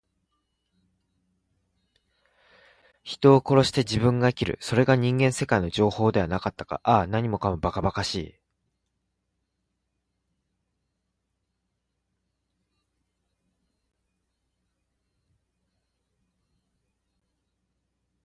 人を殺して自分が生きる。それが人間世界の定法ではなかったか。ああ、何もかも、ばかばかしい。